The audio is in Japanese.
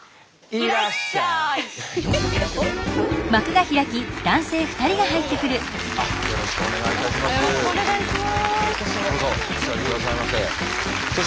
よろしくお願いします。